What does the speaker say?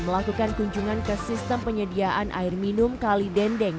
melakukan kunjungan ke sistem penyediaan air minum kali dendeng